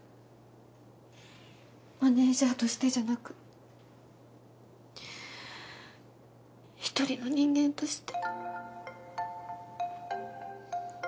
マネージャーとしてじゃなく一人の人間として。